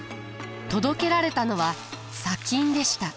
届けられたのは砂金でした。